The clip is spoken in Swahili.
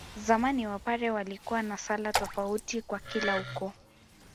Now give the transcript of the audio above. Zamani Wapare walikuwa na sala tofauti kwa kila ukoo